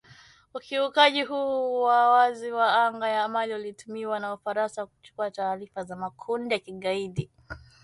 Ukiukaji huu wa wazi wa anga ya Mali ulitumiwa na Ufaransa kuchukua taarifa za makundi ya kigaidi